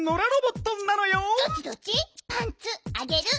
パンツあげる？